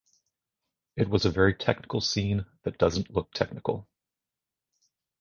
It was a very technical scene that doesn't look technical.